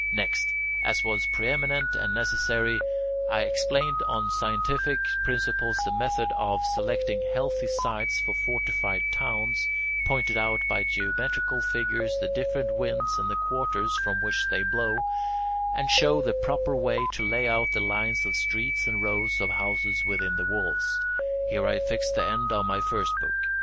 Next, as was preeminent and necessary, I explained on scientific principles the method of selecting healthy sites for fortified towns, pointed out by geometrical figures the different winds and the quarters from which they blow, and showed the proper way to lay out the lines of streets and rows of houses within the walls. Here I fixed the end of my first book.